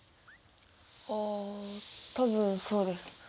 あ多分そうです。